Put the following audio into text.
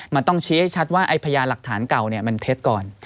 มันต้องชี้ให้ชัดว่าไอ้พยานหลักฐานเก่ามันเท็จก่อน